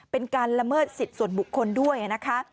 เป็นการละเมิดสิทธิ์ส่วนบุคคลด้วยนะคะ